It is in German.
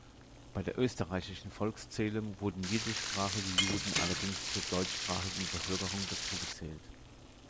Bei der österreichischen Volkszählung wurden jiddischsprachige Juden allerdings zur deutschsprachigen Bevölkerung dazugezählt.